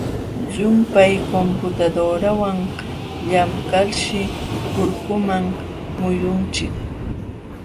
Llumpay computadorawan llamkalshi kurkuman muyunchik.